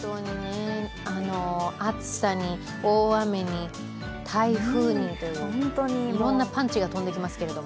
暑さに大雨に台風にという、いろんなパンチが飛んできますけど。